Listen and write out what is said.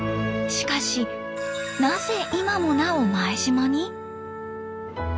しかしなぜ今もなお前島に？